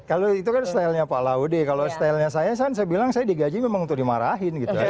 kalau itu kan stylenya pak laude kalau stylenya saya kan saya bilang saya digaji memang untuk dimarahin gitu ya